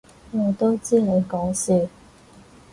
我都知你講笑